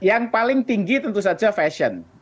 yang paling tinggi tentu saja fashion